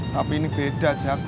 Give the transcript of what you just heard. tapi ini beda cak